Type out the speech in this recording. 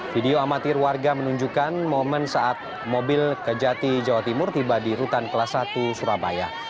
video amatir warga menunjukkan momen saat mobil kejati jawa timur tiba di rutan kelas satu surabaya